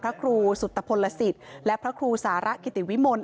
พระครูสุตพพลศิษย์และพระครูสาระกิศวิมนศ์